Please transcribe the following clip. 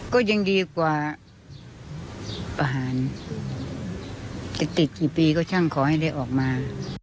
ก็ยังดีกว่าประหารจะติดกี่ปีก็ช่างขอให้เลยออกมา